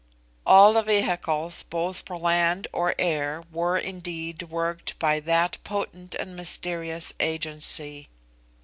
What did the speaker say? All the vehicles both for land or air were indeed worked by that potent and mysterious agency.